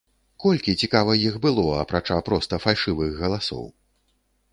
Колькі, цікава, іх было, апрача проста фальшывых галасоў?